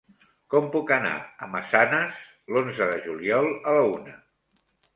Com puc anar a Massanes l'onze de juliol a la una?